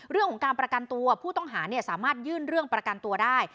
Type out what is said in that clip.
เรื่องของการประกันตัวผู้ต้องหาสามารถยื่นเรื่องประกันตัวได้